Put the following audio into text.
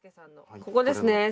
ここですね。